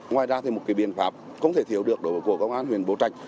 ngoài ra thì một biện pháp không thể thiếu được đối với cổ công an huyện bố trạch